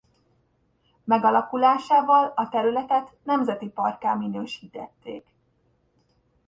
Megalakulásával a területet nemzeti parkká minősítették.